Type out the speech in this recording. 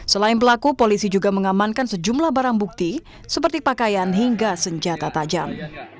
selain pelaku polisi juga mengamankan sejumlah barang bukti seperti pakaian hingga senjata tajam